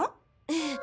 ええ。